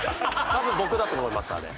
多分僕だと思いますあれ。